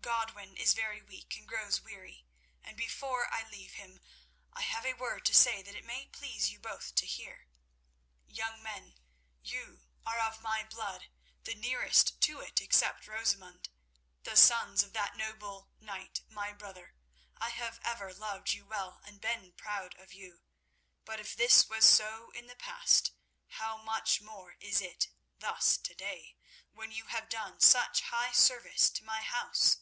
Godwin is very weak, and grows weary, and before I leave him I have a word to say that it may please you both to hear. Young men, you are of my blood, the nearest to it except Rosamund—the sons of that noble knight, my brother. I have ever loved you well, and been proud of you, but if this was so in the past, how much more is it thus to day, when you have done such high service to my house?